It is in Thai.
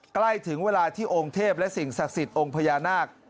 ใกล้ถึงเวลาที่องค์เทพและสิ่งศักดิ์สิทธิ์องค์พญานาค